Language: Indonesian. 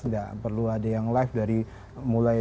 enggak perlu ada yang live mulai